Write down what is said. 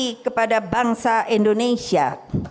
mengabdi kepada bangsa indonesia